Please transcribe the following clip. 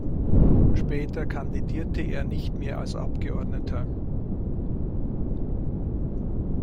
Später kandidierte er nicht mehr als Abgeordneter.